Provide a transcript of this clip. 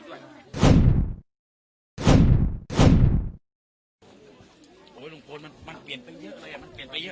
ลุคคลงแม่งถ้าเกิดว่าฝนตกไปเนี่ย